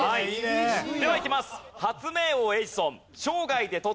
ではいきます。